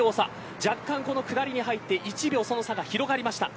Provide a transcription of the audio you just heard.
若干、この下りに入って１秒、その差が広がりました。